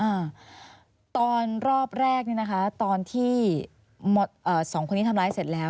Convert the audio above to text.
อ่าตอนรอบแรกนี่นะคะตอนที่เอ่อสองคนนี้ทำร้ายเสร็จแล้ว